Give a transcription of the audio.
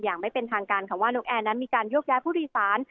อย่างไม่เป็นทางการค่ะว่านกแอร์นั้นมีการโยกย้ายผู้โดยสาร